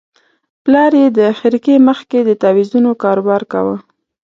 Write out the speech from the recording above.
پلار یې د خرقې مخ کې د تاویزونو کاروبار کاوه.